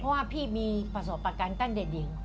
เพราะว่าพี่มีประสบประกันกั้นเด็ดเดียว